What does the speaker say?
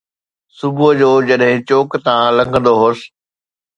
صبح جو جڏهن چوڪ تان لنگهندو هوس